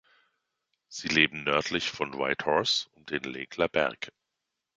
Sie leben nördlich von Whitehorse um den Lake Laberge.